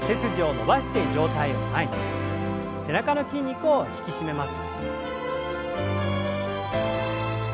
背中の筋肉を引き締めます。